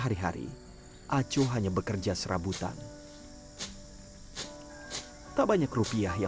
jadi mereka harus bekerja sehamat agar bisa mengajak orang lain